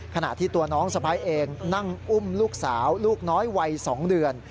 ขณะที่ตัวน้องสะพ้ายเองนั่งอุ้มลูกสาวลูกน้อยวัย๒เดือน